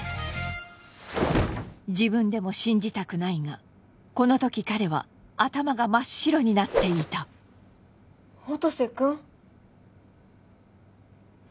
自分でも信じたくないがこのとき彼は頭が真っ白になっていた音瀬君？